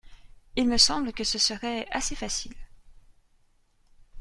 il me semble que ce serait assez facile.